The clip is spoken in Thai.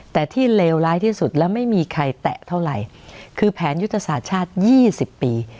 แต่ที่เลวร้ายที่สุดแล้วไม่มีใครแตะเท่าไหร่คือแผนยุทธศาสตร์ชาติ๒๐ปี